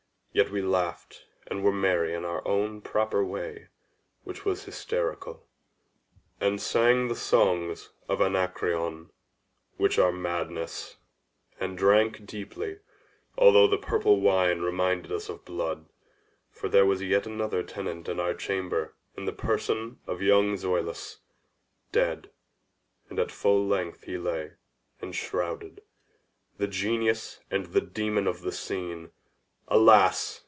Yet we laughed and were merry in our proper way—which was hysterical; and sang the songs of Anacreon—which are madness; and drank deeply—although the purple wine reminded us of blood. For there was yet another tenant of our chamber in the person of young Zoilus. Dead, and at full length he lay, enshrouded; the genius and the demon of the scene. Alas!